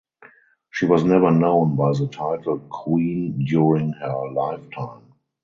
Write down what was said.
She was never known by the title queen during her lifetime.